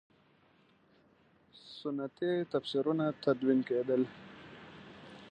سنتي تفسیرونه تدوین کېدل.